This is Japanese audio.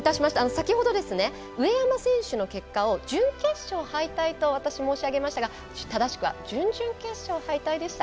先ほど、上山選手の結果を準決勝敗退と私、申し上げましたが正しくは準々決勝敗退でした。